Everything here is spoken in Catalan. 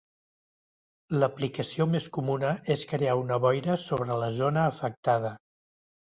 L’aplicació més comuna és crear una boira sobre la zona afectada.